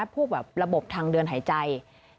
พวกระบบทางเดินหายใจ